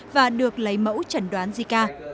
và được lấy mẫu chẩn đoán zika